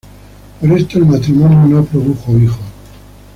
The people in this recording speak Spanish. Por esto, el matrimonio no produjo hijos.